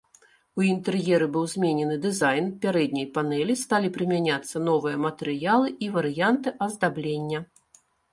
У інтэр'еры быў зменены дызайн пярэдняй панэлі, сталі прымяняцца новыя матэрыялы і варыянты аздаблення.